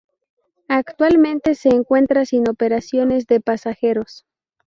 Actualmente se encuentra sin operaciones de pasajeros.